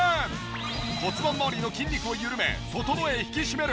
骨盤まわりの筋肉を緩め整え引き締める。